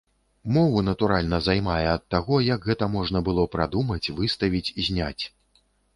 Мову, натуральна, займае ад таго, як гэта можна было прадумаць, выставіць, зняць.